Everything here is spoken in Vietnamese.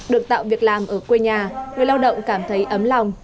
được tạo việc làm ở quê nhà người lao động cảm thấy ấm lòng